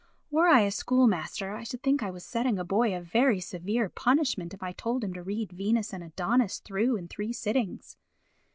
Were I a schoolmaster I should think I was setting a boy a very severe punishment if I told him to read Venus and Adonis through in three sittings.